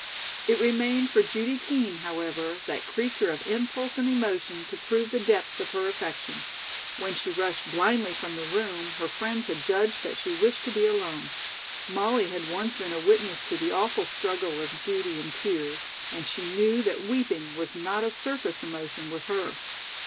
It remained for Judy Kean, however, that creature of impulse and emotion, to prove the depths of her affection. When she rushed blindly from the room, her friends had judged that she wished to be alone. Molly had once been a witness to the awful struggle of Judy in tears and she knew that weeping was not a surface emotion with her.